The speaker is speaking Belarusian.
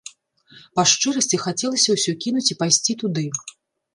Па шчырасці, хацелася ўсё кінуць і пайсці туды.